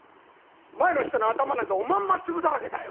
前の人の頭なんぞおまんまっ粒だらけだよ。